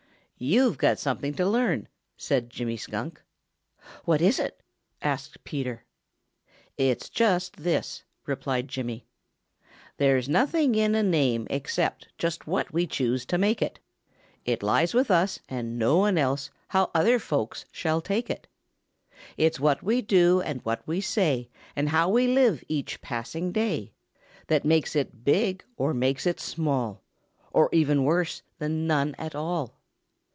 "You've got something to learn," said Jimmy Skunk. "What is it?" asked Peter. "It's just this," replied Jimmy. "There's nothing in a name except Just what we choose to make it. It lies with us and no one else How other folks shall take it. It's what we do and what we say And how we live each passing day That makes it big or makes it small Or even worse than none at all.